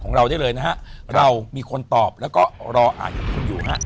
ของเราได้เลยนะฮะเรามีคนตอบแล้วก็รออ่านกับคุณอยู่ฮะ